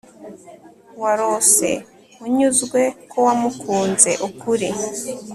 warose, unyuzwe ko wamukunze ukuri,